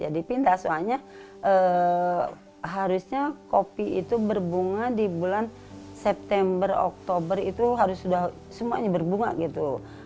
jadi pindah soalnya harusnya kopi itu berbunga di bulan september oktober itu harus sudah semuanya berbunga gitu